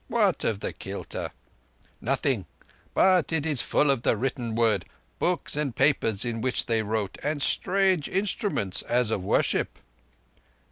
What of the kilta?" "Nothing, but that it is full of the Written Word—books and papers in which they wrote, and strange instruments, as of worship."